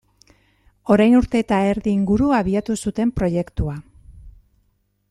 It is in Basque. Orain urte eta erdi inguru abiatu zuten proiektua.